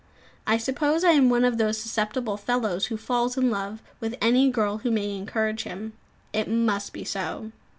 I suppose I am one of those susceptible fellows who falls in love with any girl who may encourage him. It must be so.